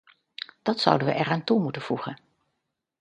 Dat zouden we eraan toe moeten voegen.